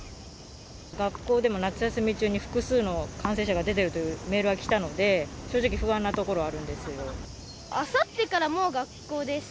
学校でも夏休み中に複数の感染者が出てるというメールが来たので、正直、あさってからもう学校です。